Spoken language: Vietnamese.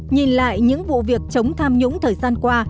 nhìn lại những vụ việc chống tham nhũng thời gian qua